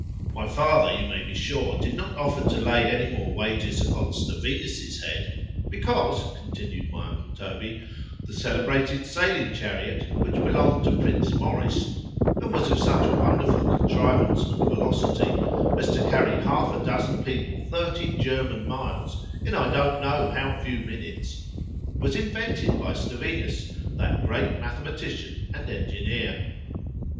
(My father, you may be sure, did not offer to lay any more wagers upon Stevinus's head.)——Because, continued my uncle Toby, the celebrated sailing chariot, which belonged to Prince Maurice, and was of such wonderful contrivance and velocity, as to carry half a dozen people thirty German miles, in I don't know how few minutes,——was invented by Stevinus, that great mathematician and engineer.